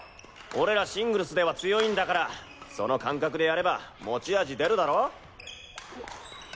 俺らシングルスでは強いんだからその感覚でやれば持ち味でるだろ。